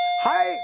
はい。